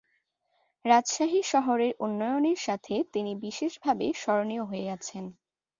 রাজশাহী শহরের উন্নয়নের সাথে তিনি বিশেষভাবে স্মরণীয় হয়ে আছেন।